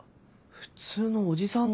普通のおじさんだ。